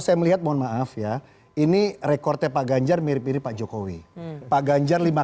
saya melihat mohon maaf ya ini rekodnya pak ganjar mirip mirip pak jokowi pak ganjar lima